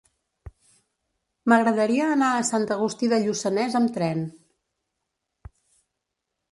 M'agradaria anar a Sant Agustí de Lluçanès amb tren.